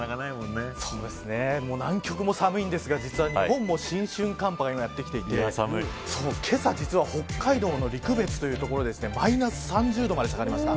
南極も寒いですが日本も新春寒波がやってきていてけさ実は北海道の陸別という所でマイナス３０度まで下がりました。